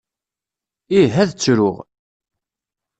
Ih, ad ttruɣ.